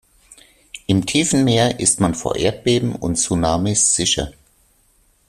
Im tiefen Meer ist man vor Erdbeben und Tsunamis sicher.